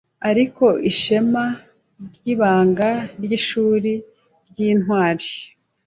Ariko ishema ryibanga ryishuri ryintwari